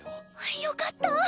よかった！